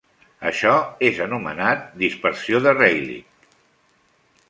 Això és anomenat dispersió de Rayleigh.